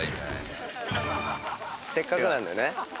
せっかくなんでね。